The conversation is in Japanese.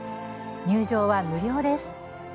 入場は無料です。